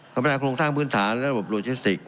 กรรมนาคมโครงทางพื้นฐานและระบบโลเจสติก